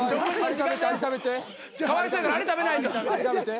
かわいそうやからアリ食べないと。